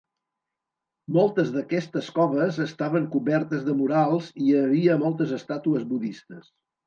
Moltes d'aquestes coves estaven cobertes de murals i hi havia moltes estàtues budistes.